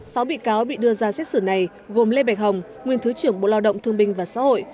sáu bị cáo bị đưa ra xét xử này gồm lê bạch hồng nguyên thứ trưởng bộ lao động thương binh và xã hội